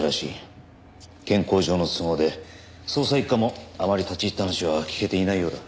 健康上の都合で捜査一課もあまり立ち入った話は聞けていないようだ。